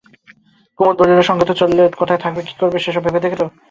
কুমুদ বলিল, সঙ্গে তো চললে, কোথায় থাকবে কী করবে সেসব ভেবে দেখেছ?